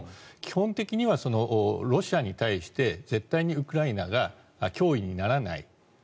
基本的にはロシアに対して絶対にウクライナが脅威にならない。